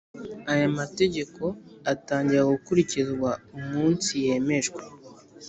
Aya mategeko atangira gukurikizwa umunsi yemejwe